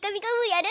やる？